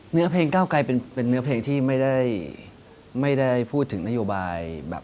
เนื้อเพลงเก้าไกรเป็นเนื้อเพลงที่ไม่ได้พูดถึงนโยบายแบบ